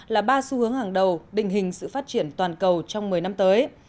là ba xu hướng hàng đầu định hình sự phát triển toàn cầu trong một mươi năm tới